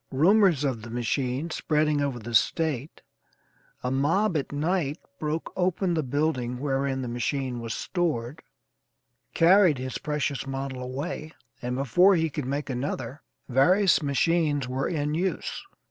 Rumors of the machine spreading over the State, a mob at night broke open the building wherein the machine was stored, carried his precious model away, and before he could make another, various machines were in use.